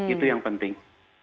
itu yang penting